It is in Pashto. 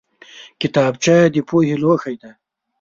کتابچه د پوهې لوښی دی